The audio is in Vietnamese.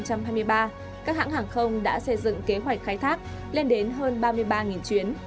các hãng hàng không đã xây dựng kế hoạch khai thác lên đến hơn ba mươi ba chuyến